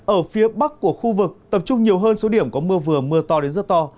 ở phía bắc của khu vực tập trung nhiều hơn số điểm có mưa vừa mưa to đến rất to